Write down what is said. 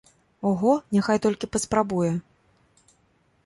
Ого, няхай толькі папрабуе!